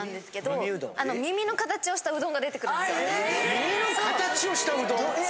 耳の形をしたうどん？え？え？